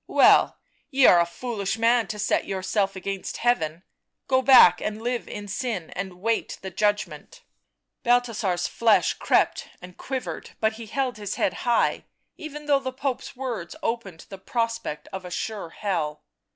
" Well — ye are a foolish man to set yourself against Heaven ; go back and live in sin and wait the judgment." Balthasar's flesh crept and quivered, but he held his head high, even though the Pope's words opened the prospect of a sure hell.